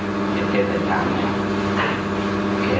ไม่มีน้ำใจเอ้ยซื้อโจ๊กมาให้ไปกินได้ไงโอเคนะ